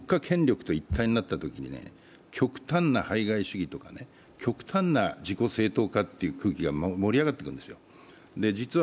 民俗宗教というのが国家権力と一体になったときに、極端な排外主義とか、極端な自己正当化という空気が盛り上がっていくんですよ。